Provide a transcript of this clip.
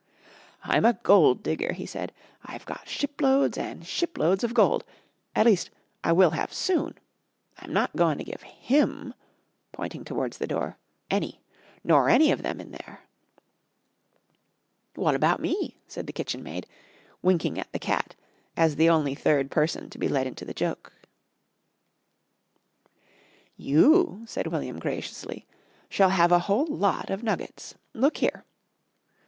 "I'm a gold digger," he said. "I've got ship loads an' ship loads of gold. At least, I will have soon. I'm not goin' to give him," pointing towards the door, "any, nor any of them in there." "Wot about me?" said the kitchenmaid, winking at the cat as the only third person to be let into the joke. "You," said William graciously, "shall have a whole lot of nuggets. Look here."